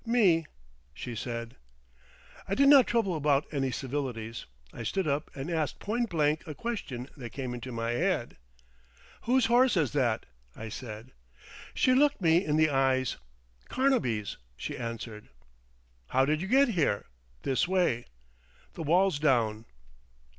"Me," she said I did not trouble about any civilities. I stood up and asked point blank a question that came into my head. "Whose horse is that?" I said. She looked me in the eyes. "Carnaby's," she answered. "How did you get here—this way?" "The wall's down."